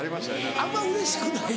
あんまうれしくない？